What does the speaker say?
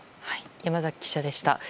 山崎記者でした。